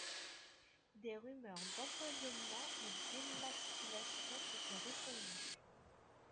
Des rumeurs d’empoisonnement ou d’émasculation se sont répandues.